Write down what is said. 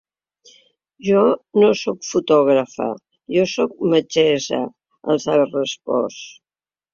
Jo no sóc fotògrafa, jo sóc metgessa, els ha respost.